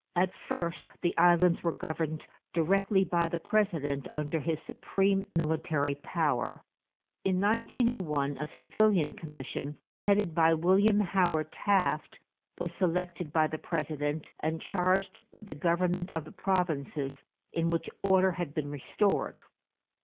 At first the islands were governed directly by the President under his supreme military power. In 1901 a civilian commission, headed by William Howard Taft, was selected by the President and charged with the government of the provinces in which order had been restored.